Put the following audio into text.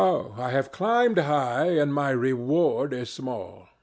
I have climbed high, and my reward is small.